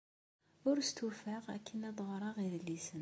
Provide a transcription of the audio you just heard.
Ur stufaɣ akken ad ɣreɣ idlisen.